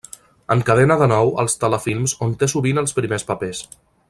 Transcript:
Encadena de nou els telefilms on té sovint els primers papers.